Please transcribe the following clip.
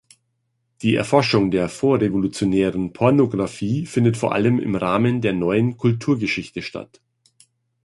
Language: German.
Die Erforschung der vorrevolutionären Pornografie findet vor allem im Rahmen der Neuen Kulturgeschichte statt.